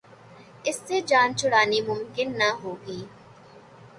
اس سے جان چھڑانی ممکن نہ ہوگی۔